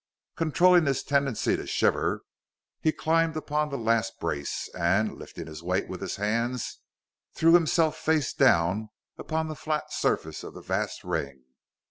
Controlling his tendency to shiver, he climbed upon the last brace, and, lifting his weight with his hands, threw himself face down upon the flat upper surface of the vast ring.